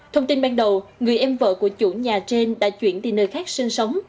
thông tin ban đầu người em vợ của chủ nhà trên đã chuyển đi nơi khác sinh sống